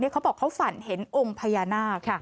เขาบอกเขาฝันเห็นองค์พญานาค